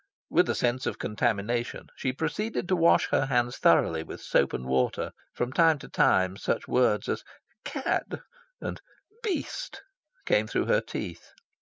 With a sense of contamination, she proceeded to wash her hands thoroughly with soap and water. From time to time such words as "cad" and "beast" came through her teeth.